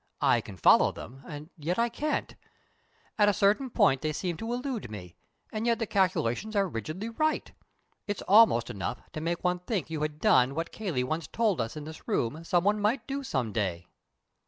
I can follow them, and yet I can't. At a certain point they seem to elude me, and yet the calculations are rigidly right. It's almost enough to make one think you had done what Cayley once told us in this room some one might do some day."